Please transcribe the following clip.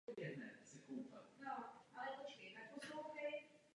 Je to rostlina středně náročná na půdu a živiny.